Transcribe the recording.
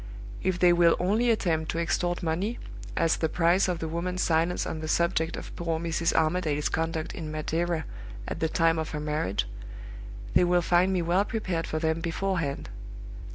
If they will only attempt to extort money, as the price of the woman's silence on the subject of poor Mrs. Armadale's conduct in Madeira at the time of her marriage, they will find me well prepared for them beforehand.